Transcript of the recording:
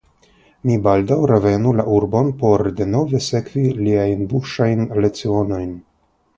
Mi baldaŭ revenu la urbon por denove sekvi liajn buŝajn lecionojn.